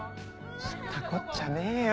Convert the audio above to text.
知ったこっちゃねえよ。